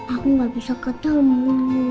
aku gak bisa ketemu